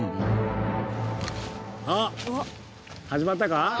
あっ始まったか？